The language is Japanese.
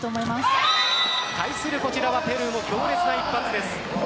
対するこちらはペルーの強烈な一発です。